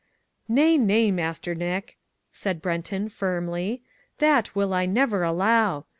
"Nay, nay, Master Nick," said Brenton, firmly, "that will I never allow.